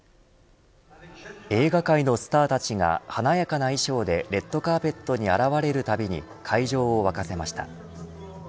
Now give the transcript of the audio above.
映画界のスターたちが華やかな衣装でレッドカーペットに現れるたびに会場を沸かせました。